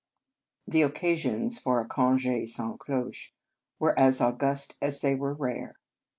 The occasions for a conge sans cloche were as august as they were rare.